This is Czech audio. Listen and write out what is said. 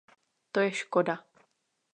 To je škoda.